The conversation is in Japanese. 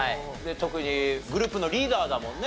特にグループのリーダーだもんね。